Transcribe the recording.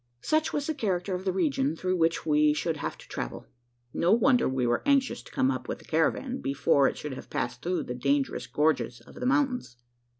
Such was the character of the region through which we should have to travel. No wonder we were anxious to come up with the caravan, before it should have passed through the dangerous gorges of the mountains.